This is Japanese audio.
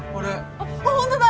あっホントだ！